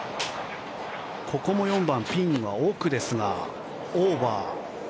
ここも４番、ピンは奥ですがオーバー。